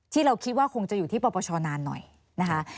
ที่เราคิดว่าคงจะอยู่ที่ปปชนานหน่อยนะคะ